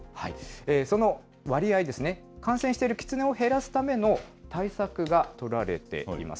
その割合ですね、感染しているキツネを減らすための対策が取られています。